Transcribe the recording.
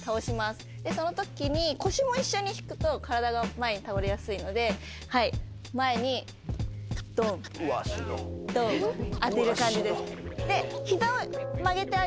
そのときに腰も一緒に引くと体が前に倒れやすいので前にドンドン当てる感じです。